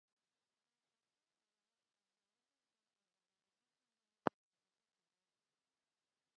د فرهنګ ارزښت د ویاړلي ژوند او د باعزته مړینې په فلسفه کې دی.